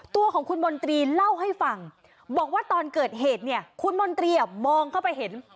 ตัวของคุณมนตรีเล่าให้ฟังบอกว่าตอนเกิดเหตุเนี่ยคุณมนตรีมองเข้าไปเห็น